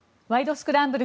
スクランブル」